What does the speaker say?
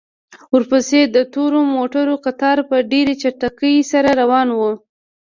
ورپسې د تورو موټرو کتار په ډېرې چټکۍ سره روان و.